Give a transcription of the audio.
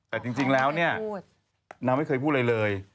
แต่จริงแล้วเนี่ยนางไม่เคยพูดอะไรเลย